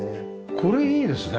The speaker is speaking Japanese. これいいですね。